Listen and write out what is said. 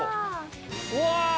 うわ！